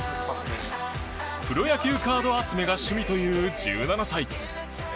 プロ野球カード集めが趣味という１７歳。